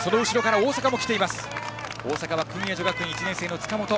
大阪は薫英女学院１年生、塚本。